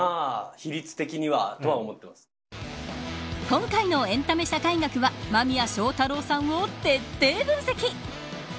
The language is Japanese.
今回のエンタメ社会学は間宮祥太朗さんを徹底分析。